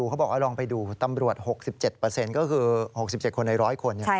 เขาบอกว่าลองไปดูตำรวจ๖๗ก็คือ๖๗คนใน๑๐๐คน